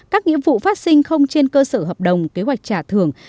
các nghĩa vụ phát sinh không trên cơ sở hợp đồng kế hoạch trả thưởng